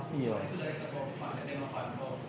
pak itu dari toko pak jendela panto